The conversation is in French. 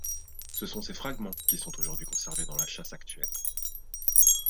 Ce sont ces fragments qui sont aujourd'hui conservés dans la châsse actuelle.